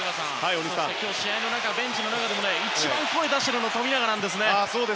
今日、試合の中ベンチの中でも一番声を出しているのは富永なんですね。